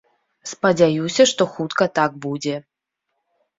Спадзяюся, што хутка так будзе.